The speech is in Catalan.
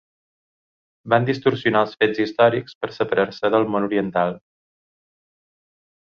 Van distorsionar els fets històrics per separar-se del món oriental.